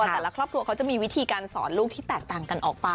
แต่ละครอบครัวเขาจะมีวิธีการสอนลูกที่แตกต่างกันออกไป